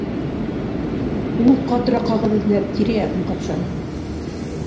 Ул, ҡатыраҡ ҡағыҙ эҙләп, тирә-яғын ҡапшаны.